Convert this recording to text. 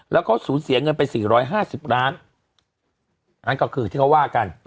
แล้วเขาสูญเสียเงินไปสี่ร้อยห้าสิบล้านนั่นก็คือที่เขาว่ากัน